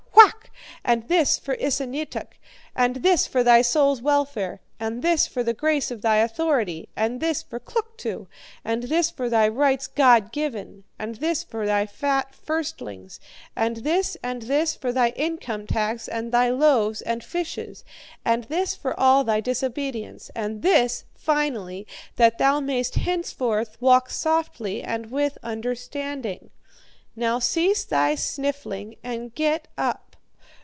whack! And this for Esanetuk! And this for thy soul's welfare! And this for the grace of thy authority! And this for Kluktu! And this for thy rights God given! And this for thy fat firstlings! And this and this for thy income tax and thy loaves and fishes! And this for all thy disobedience! And this, finally, that thou mayest henceforth walk softly and with understanding! Now cease thy sniffling and get up!